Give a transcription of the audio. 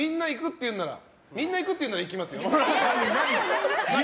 みんな行くっていうなら行きますよ。